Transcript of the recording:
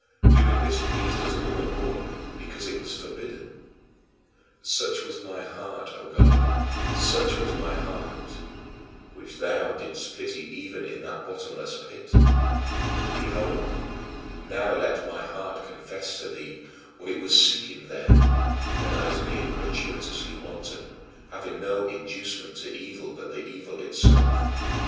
Doing this pleased us all the more because it was forbidden. Such was my heart, O God, such was my heart which thou didst pity even in that bottomless pit. Behold, now let my heart confess to thee what it was seeking there, when I was being gratuitously wanton, having no inducement to evil but the evil itself.